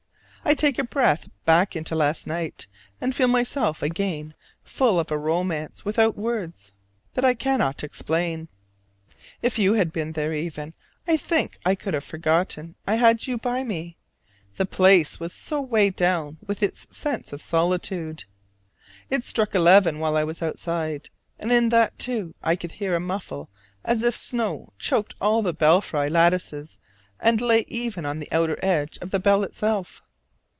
I take a breath back into last night, and feel myself again full of a romance without words that I cannot explain. If you had been there, even, I think I could have forgotten I had you by me, the place was so weighed down with its sense of solitude. It struck eleven while I was outside, and in that, too, I could hear a muffle as if snow choked all the belfry lattices and lay even on the outer edge of the bell itself.